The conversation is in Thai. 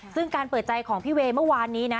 ซึ่งการเปิดใจของพี่เวย์เมื่อวานนี้นะ